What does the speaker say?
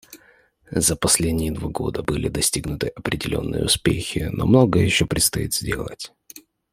За последние два года были достигнуты определенные успехи, но многое еще предстоит сделать.